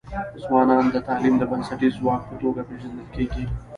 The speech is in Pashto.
ځوانان د تعلیم د بنسټیز ځواک په توګه پېژندل کيږي.